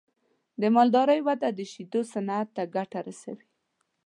د مالدارۍ وده د شیدو صنعت ته ګټه رسوي.